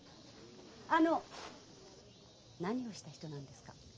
あの何をした人なんですか？